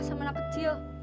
sama anak kecil